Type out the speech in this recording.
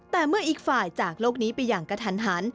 แต่เมื่ออีกฝ่ายจากโลกนี้ไปอย่างกระทันหัน